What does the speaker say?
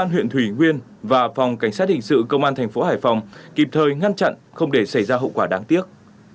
công an huyện thủy nguyên và phòng cảnh sát hình sự công an thành phố hải phòng kịp thời ngăn chặn không để xảy ra hậu quả đáng tiếc